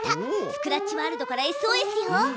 スクラッチワールドからＳＯＳよ。